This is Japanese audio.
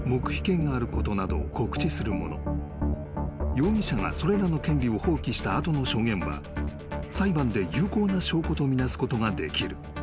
［容疑者がそれらの権利を放棄した後の証言は裁判で有効な証拠と見なすことができる］